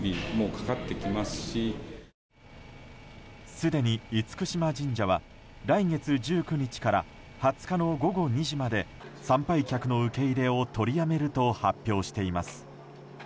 すでに厳島神社は来月１９日から２０日の午後２時まで参拝客の受け入れを取りやめると発表しています。